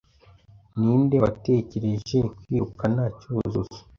Ni nde watekereje kwirukana Cyuzuzo?